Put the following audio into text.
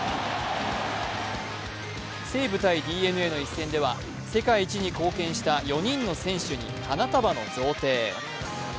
西武×ＤｅＮＡの一戦では世界一に貢献した４人の選手に花束の贈呈。